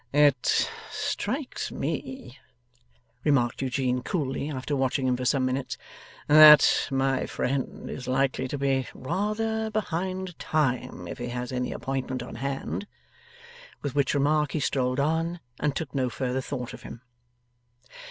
'It strikes me,' remarked Eugene coolly, after watching him for some minutes, 'that my friend is likely to be rather behind time if he has any appointment on hand.' With which remark he strolled on, and took no further thought of him.